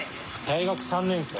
大学３年生？